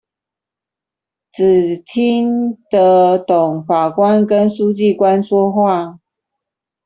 只聽得懂法官跟書記官說話